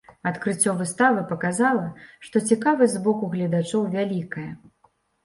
Адкрыццё выставы паказала, што цікавасць з боку гледачоў вялікая.